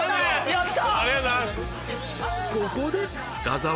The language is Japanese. やった！